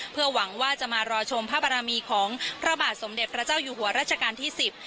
เพื่อหวังว่าจะมารอชมพระบารมีของพระบาทสมเด็จพระเจ้าอยู่หัวรัชกาลที่สิบ